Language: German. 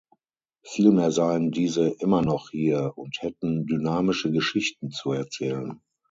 Vielmehr seien diese „immer noch hier“ und hätten „dynamische Geschichten zu erzählen“.